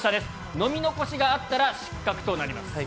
飲み残しがあったら失格となります。